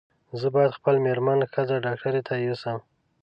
زه باید خپل مېرمن ښځېنه ډاکټري ته یو سم